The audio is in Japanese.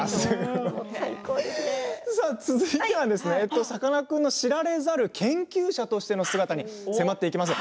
続いてはさかなクンの知られざる研究者としての姿に迫っていきます。